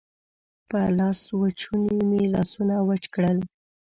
په لاسوچوني مې لاسونه وچ کړل.